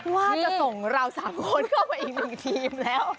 ว่าจะส่งเรา๓คนเข้าไปอีกหนึ่งทีมแล้ว